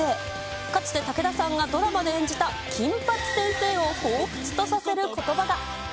かつて武田さんがドラマで演じた金八先生をほうふつとさせることばが。